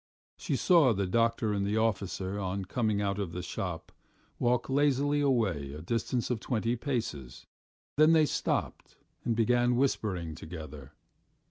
She saw the doctor and the officer, on coming out of the shop, walk lazily away a distance of twenty paces; then they stopped and began whispering together.